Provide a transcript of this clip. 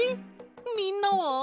みんなは？